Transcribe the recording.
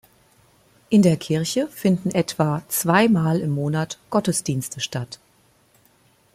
In der Kirche finden etwa zweimal im Monat Gottesdienste statt.